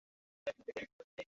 ও আর এইসব চাইছিলো না।